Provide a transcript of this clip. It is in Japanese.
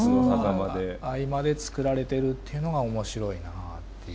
合間で作られてるっていうのが面白いなっていう。